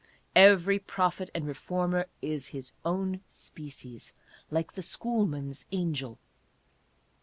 Every prophet and reformer is his own species, like the schoolmen's angel.